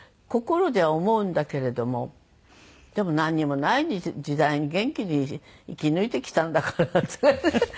心では思うんだけれどもでもなんにもない時代に元気に生き抜いてきたんだから。